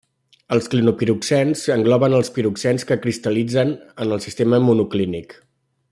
Els clinopiroxens engloben els piroxens que cristal·litzen en el sistema monoclínic.